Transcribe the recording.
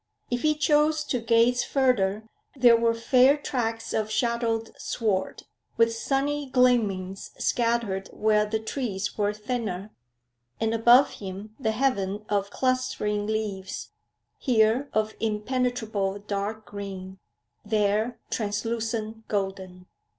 If he chose to gaze further, there were fair tracts of shadowed sward, with sunny gleamings scattered where the trees were thinner, and above him the heaven of clustering leaves, here of impenetrable dark green, there translucent golden.